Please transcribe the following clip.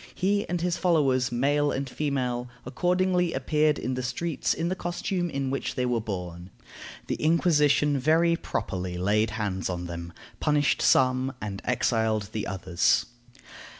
He and his followers, male and female, accordingly appeared in the streets in the costume in which they were born. The Inquisition very properly laid hands on them, punished some, and exiled the others.